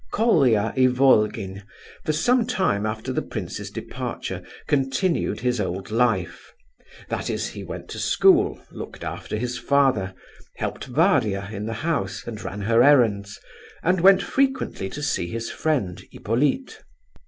Colia Ivolgin, for some time after the prince's departure, continued his old life. That is, he went to school, looked after his father, helped Varia in the house, and ran her errands, and went frequently to see his friend, Hippolyte.